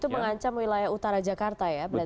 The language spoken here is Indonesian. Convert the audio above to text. itu mengancam wilayah utara jakarta ya